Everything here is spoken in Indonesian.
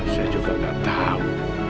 saya juga gak tahu